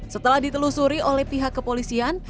setelah ditelusuri oleh pihak kepolisian